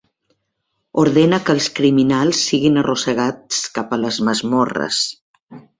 Ordena que els criminals siguin arrossegats cap a les masmorres.